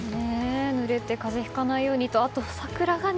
ぬれて風邪ひかないようにとあと、桜がね。